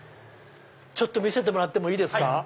見せてもらってもいいですか？